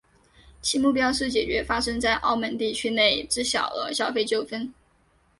其目标是解决发生在澳门地区内之小额消费纠纷。